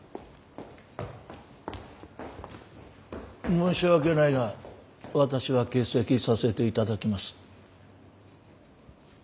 申し訳ないが私は欠席させていただきます。